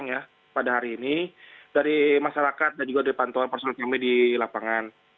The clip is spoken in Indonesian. ya pada hari ini dari masyarakat dan juga dari pantauan personel kami di lapangan